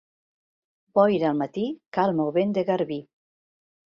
Boira al matí, calma o vent de garbí.